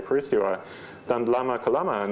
peristiwa dan lama kelamaan